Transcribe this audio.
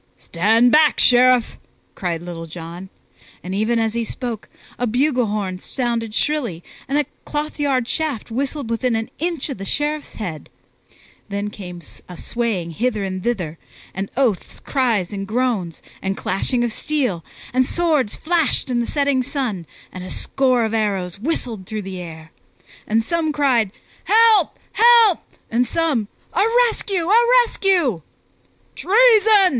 "Stand back, Sheriff!" cried Little John; and even as he spoke, a bugle horn sounded shrilly and a clothyard shaft whistled within an inch of the Sheriff's head. Then came a swaying hither and thither, and oaths, cries, and groans, and clashing of steel, and swords flashed in the setting sun, and a score of arrows whistled through the air. And some cried, "Help, help!" and some, "A rescue, a rescue!" "Treason!"